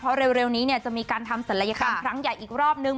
เพราะเร็วนี้จะมีการทำศัลยกรรมครั้งใหญ่อีกรอบนึง